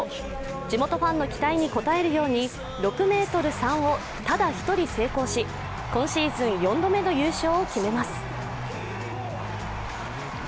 地元ファンの期待に応えるように６ｍ３をただ１人成功し、今シーズン４度目の優勝を決めます